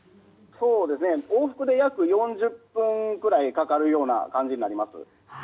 往復で約４０分ぐらいかかるような感じになります。